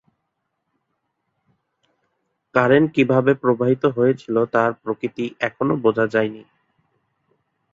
Current কিভাবে প্রবাহিত হয়েছিল তার প্রকৃতি এখনও বোঝা যায়নি।